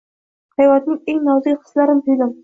Hayotning eng nozik hislarin tuydim.